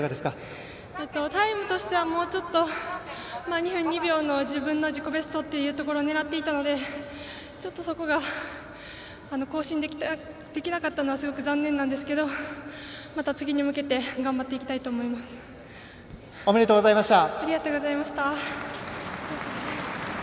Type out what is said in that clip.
タイムとしてはもうちょっと２分２秒の自分の自己ベストを狙っていたので、ちょっとそこが更新できなかったのはすごく残念なんですけどまた次に向けておめでとうございました。